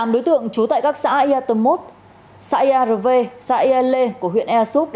hai mươi tám đối tượng trú tại các xã yatomot xã yarv xã yle của huyện easup